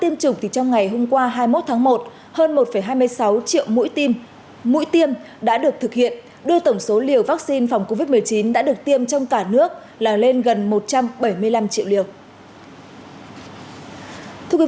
mỗi tiêm đã được thực hiện đôi tổng số liều vaccine phòng covid một mươi chín đã được tiêm trong cả nước là lên gần một trăm bảy mươi năm triệu liều